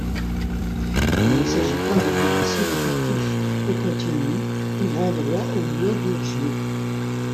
Il ne s’agit pas d’un domicile effectif et continu ouvrant droit au bois bourgeois.